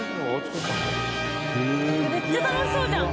めっちゃ楽しそうじゃん！